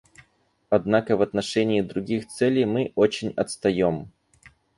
Однако в отношении других целей мы очень отстаем.